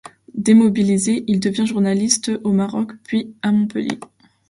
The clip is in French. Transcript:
Démobilisé, il devient journaliste au Maroc, puis à Montpellier.